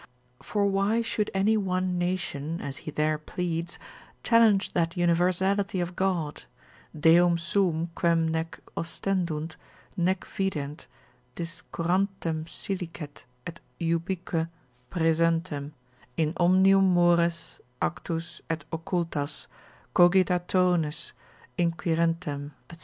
For why should any one nation, as he there pleads, challenge that universality of God, Deum suum quem nec ostendunt, nec vident, discurrantem silicet et ubique praesentem, in omnium mores, actus, et occultas, cogitationes inquirentem, &c.